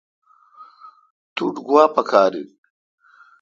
توٹھ گوا پکار این۔